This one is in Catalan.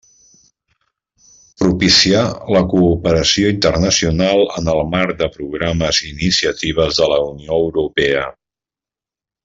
Propiciar la cooperació internacional en el Marc de Programes i Iniciatives de la Unió Europea.